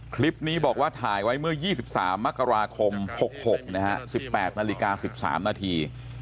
คลิปนี้บอกว่าถ่ายไว้เมื่อ๒๓มกราคม๖๖นะฮะ๑๘นาฬิกา๑๓นาที